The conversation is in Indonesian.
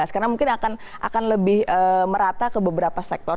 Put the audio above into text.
karena mungkin akan lebih merata ke beberapa sektor